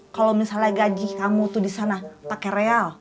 kalau misalnya gaji kamu itu di sana pakai real